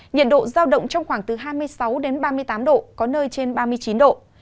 nhiệt độ giao động trong khoảng từ hai mươi sáu đến ba mươi tám độ có nơi trên ba mươi chín độ